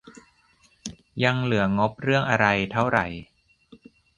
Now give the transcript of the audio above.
ยังเหลืองบเรื่องอะไรเท่าไหร่